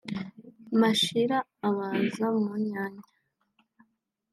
Mashira abaza Munyanya